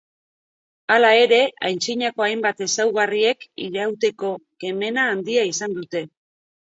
Hala ere antzinako hainbat ezaugarriek irauteko kemena handia izan dute.